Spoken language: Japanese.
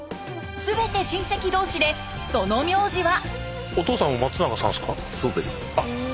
全て親戚同士でその名字は。